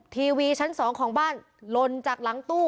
ทีวีชั้น๒ของบ้านลนจากหลังตู้